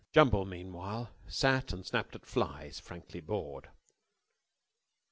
Jumble, meanwhile, sat and snapped at flies, frankly bored.